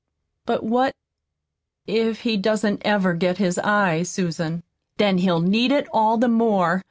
"But what if he doesn't ever get his eyes, Susan?" "Then he'll need it all the more.